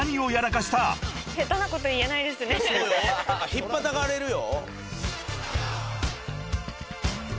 ひっぱたかれるよ。